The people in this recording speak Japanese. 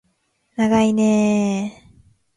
ながいねー